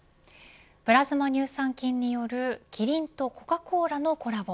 プラズマ乳酸菌によるキリンとコカ・コーラのコラボ。